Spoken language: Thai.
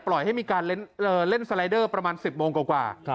ให้มีการเล่นสไลเดอร์ประมาณ๑๐โมงกว่า